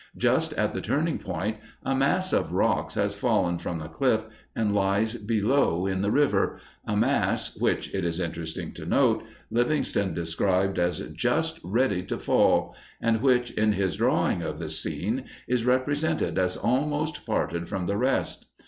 Just at the turning point, a mass of rock has fallen from the cliff and lies below in the river a mass which, it is interesting to note, Livingstone describes as just ready to fall, and which in his drawing of the scene is represented as almost parted from the rest.